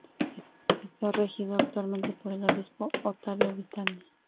Está regido actualmente por el Obispo Ottavio Vitale.